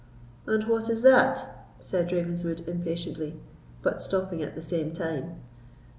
"And what is that?" said Ravenswood, impatiently, but stopping at the same time.